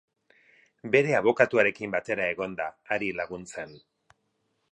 Bere abokatuarekin batera egon da, hari laguntzen.